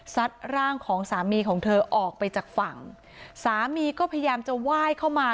ร่างของสามีของเธอออกไปจากฝั่งสามีก็พยายามจะไหว้เข้ามา